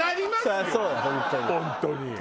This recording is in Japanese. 本当に。